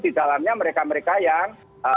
di dalamnya mereka mereka yang